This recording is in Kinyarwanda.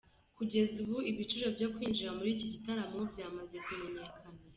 Kugeza ubu ibiciro byo kwinjira muri iki gitaramo byamaze kumenyekana.